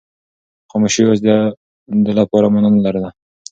خاموشي اوس د ده لپاره مانا لرله.